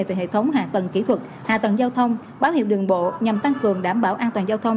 từ hệ thống hạ tầng kỹ thuật hạ tầng giao thông báo hiệu đường bộ nhằm tăng cường đảm bảo an toàn giao thông